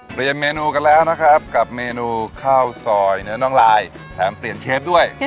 เมนูกันแล้วนะครับกับเมนูข้าวซอยเนื้อน้องลายแถมเปลี่ยนเชฟด้วย